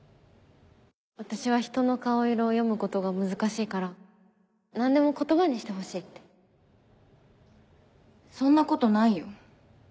私は人の顔色を読むことが難しいから何でも言葉にしてほしいってそんなことないよ。